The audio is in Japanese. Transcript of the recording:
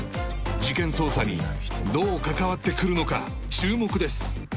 事件捜査にどう関わってくるのか注目です